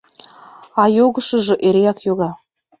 А йогышыжо эреак йога.